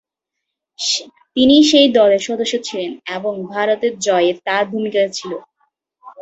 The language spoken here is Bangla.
তিনি সেই দলের সদস্য ছিলেন এবং ভারতের জয়ে তার ভূমিকা ছিল।